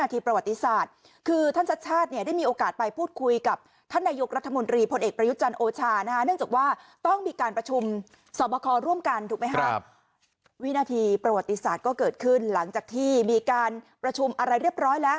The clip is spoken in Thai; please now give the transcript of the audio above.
วินาทีประวัติศาสตร์ก็เกิดขึ้นหลังจากที่มีการประชุมอะไรเรียบร้อยแล้ว